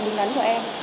đúng đắn của em